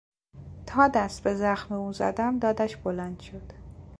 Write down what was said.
تا دست به زخم او زدم دادش بلند شد.